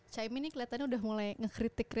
caimin ini kelihatannya udah mulai ngekritik lah ya